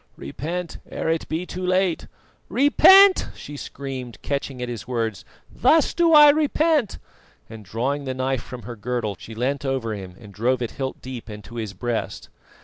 repent, ere it be too late!" "Repent!" she screamed, catching at his words. "Thus do I repent!" and drawing the knife from her girdle, she leant over him and drove it hilt deep into his breast.